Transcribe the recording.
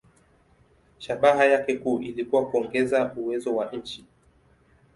Shabaha yake kuu ilikuwa kuongeza uwezo wa nchi.